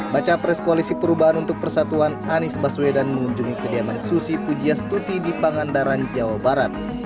baca pres koalisi perubahan untuk persatuan anies baswedan mengunjungi kediaman susi pujiastuti di pangandaran jawa barat